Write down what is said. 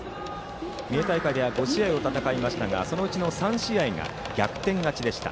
三重大会では５試合を戦いましたがそのうちの３試合が逆転勝ちでした。